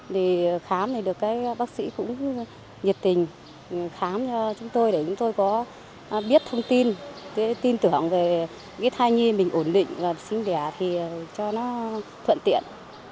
thì khám thì được cái bác sĩ cũng nhiệt tình khám cho chúng tôi để chúng tôi có biết thông tin tin tưởng về cái thai nhi mình ổn định và sinh đẻ thì cho nó thuận tiện